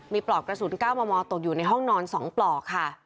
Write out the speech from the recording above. มีปลอกกระสุน๙มมตกอยู่ในห้องนอน๒ปลอกค่ะ